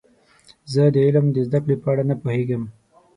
زه د علم د زده کړې په اړه نه پوهیږم.